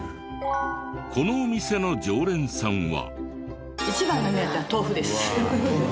このお店の常連さんは。